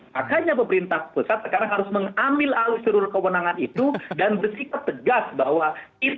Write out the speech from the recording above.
makanya pemerintah pusat sekarang harus mengambil alur alur kewenangan itu dan bersikap tegas bahwa kita mencintai republik ini